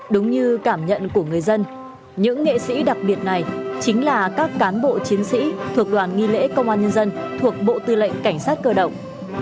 đúng như cảm nhận của người dân những nghệ sĩ đặc biệt này chính là các cán bộ chiến sĩ thuộc đoàn nghi lễ công an nhân dân thuộc bộ tư lệnh cảnh sát cơ động